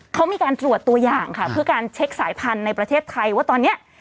เขามีการตรวจตัวอย่างค่ะเพื่อการเช็คสายพันธุ์ในประเทศไทยว่าตอนนี้